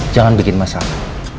jangan bikin masalah